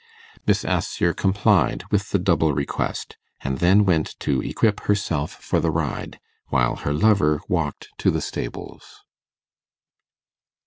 Miss Assher complied with the double request, and then went to equip herself for the ride, while her lover walked to the stables.